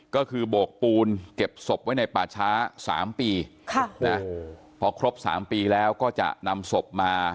ก็คือโบกปูนเก็บศพไว้ในป่าช้า๓ปีพอครบ๓ปีแล้วก็จะนำศพมา